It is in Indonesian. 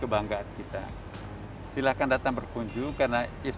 saya pisang edit dan flixt criticism yang menarik semenjak budget rp iera toleransi